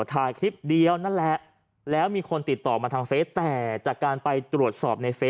ใครเสนอครับ